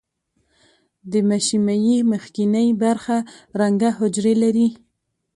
د مشیمیې مخکینۍ برخه رنګه حجرې لري.